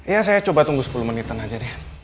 ya saya coba tunggu sepuluh menitan aja deh